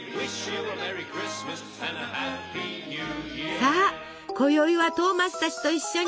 さあこよいはトーマスたちと一緒に！